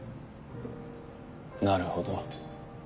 なるほど。